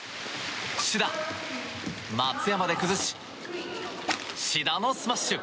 志田、松山で崩し志田のスマッシュ！